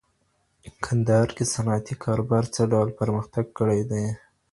کندهار کي صنعتي کاروبار څه ډول پرمختګ کړی دی؟